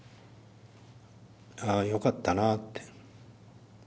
ああよかったなって。